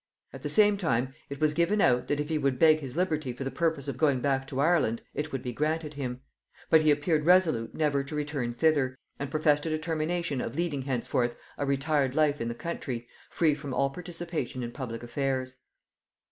At the same time it was given out, that if he would beg his liberty for the purpose of going back to Ireland, it would be granted him; but he appeared resolute never to return thither, and professed a determination of leading henceforth a retired life in the country, free from all participation in public affairs.